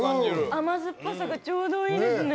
甘酸っぱさがちょうどいいですね。